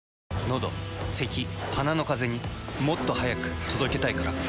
のどせき鼻のカゼにもっと速く届けたいから。